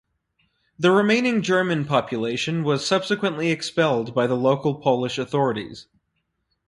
The remaining German population was subsequently expelled by the local Polish authorities.